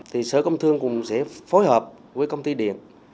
thì sở công thương cũng sẽ phối hợp với công ty điện